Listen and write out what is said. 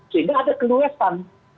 sehingga ada keluesan